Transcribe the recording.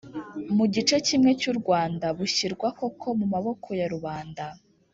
mu gice kimwe cy' u rwanda bushyirwa koko mu maboko ya rubanda,